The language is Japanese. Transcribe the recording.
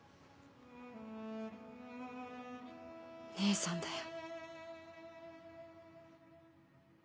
姉さんだよ。